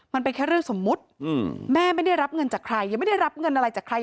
มันเป็นแค่เรื่องสมมุติแม่ไม่ได้รับเงินจากใครยังไม่ได้รับเงินอะไรจากใคร